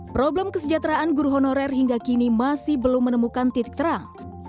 problem kesejahteraan guru honorer hingga kini masih belum menemukan titik terang